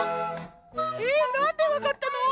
えなんでわかったの？